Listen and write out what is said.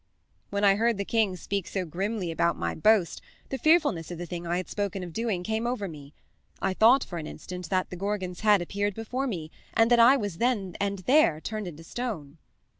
"When I heard the king speak so grimly about my boast the fearfulness of the thing I had spoken of doing came over me. I thought for an instant that the Gorgon's head appeared before me, and that I was then and there turned into stone.